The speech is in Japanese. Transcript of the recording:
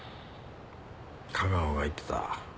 架川が言ってた。